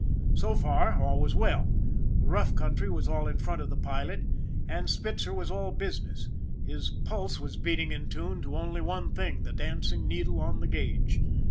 So far all was well, the rough country was all in front of the pilot, and Spitzer was all business. His pulse was beating in tune to only one thing the dancing needle on the gauge.